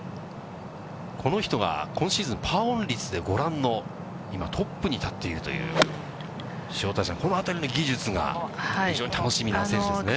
この人が今シーズン、パーオン率でご覧のトップに立っているという、塩谷さん、このあたりの技術が非常に楽しみな選手ですね。